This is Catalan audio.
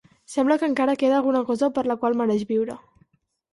Sembla que encara queda alguna cosa per la qual mereix viure.